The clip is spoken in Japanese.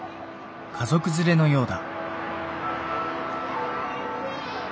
家族連れのようだ。